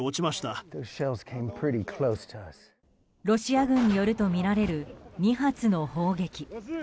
ロシア軍によるとみられる２発の砲撃。